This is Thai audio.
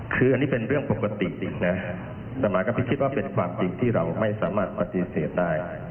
คืออันนี้เป็นเรื่องปกติจริงนะแต่หมาก็ไปคิดว่าเป็นความจริงที่เราไม่สามารถปฏิเสธได้